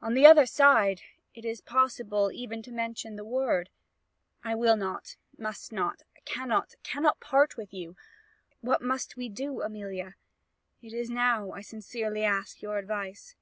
On the other side, is it possible even to mention the word I will not, must not, cannot, cannot part with you. What must we do, Amelia? It is now I sincerely ask your advice."